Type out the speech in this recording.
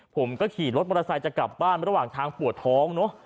ผมก็ขี่รถมอเตอร์ไซค์จะกลับบ้านระหว่างทางปวดท้องเนอะ